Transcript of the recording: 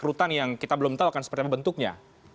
ada rekrutan yang kita belum tahu kan seperti apa bentuknya